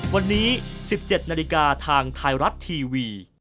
วันนี้๑๗นาฬิกาทางไทยรัฐทีวี